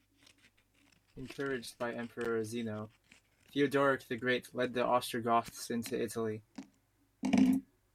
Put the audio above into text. Encouraged by Emperor Zeno, Theodoric the Great led the Ostrogoths into Italy.